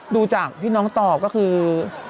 ดูจากที่น้องตอบก็คือ